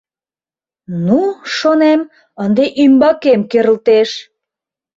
«Ну, — шонем, — ынде ӱмбакем керылтеш!»